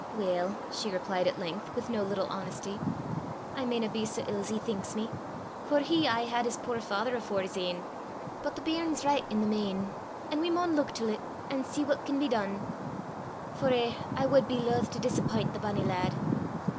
"Weel," she replied at length, with no little honesty, " I mayna be sae ill 's he thinks me, for he had aye his puir father afore 's e'en; but the bairn's richt i' the main, an' we maun luik till 't, an' see what can be dune; for eh! I wad be laith to disappint the bonnie laad!